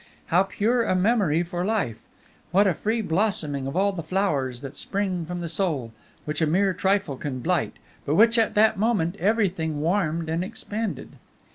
How pure a memory for life! What a free blossoming of all the flowers that spring from the soul, which a mere trifle can blight, but which, at that moment, everything warmed and expanded.